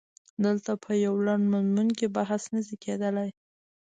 دلته په یوه لنډ مضمون کې بحث نه شي کېدلای.